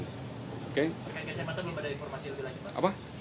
oke saya patut kepada informasi lebih lanjut pak